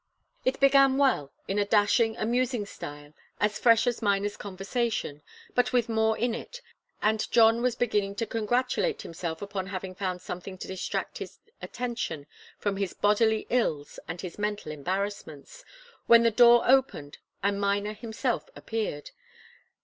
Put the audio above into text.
It began well, in a dashing, amusing style, as fresh as Miner's conversation, but with more in it, and John was beginning to congratulate himself upon having found something to distract his attention from his bodily ills and his mental embarrassments, when the door opened, and Miner himself appeared.